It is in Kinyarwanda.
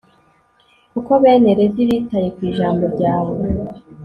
koko bene levi bitaye ku ijambo ryawe